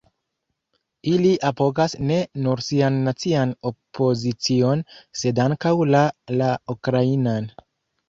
Ili apogas ne nur sian nacian opozicion sed ankaŭ la la ukrainan.